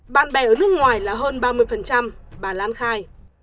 bạn bè ở nước ngoài là hơn ba mươi bà lan khai